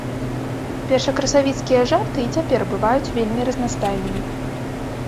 Першакрасавіцкія жарты і цяпер бываюць вельмі разнастайнымі.